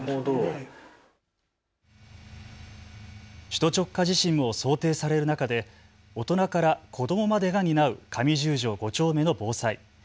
首都直下地震も想定される中で大人から子どもまでが担う上十条５丁目の防災。